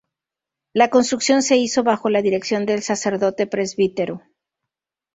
La construcción se hizo bajo la dirección del sacerdote Pbro.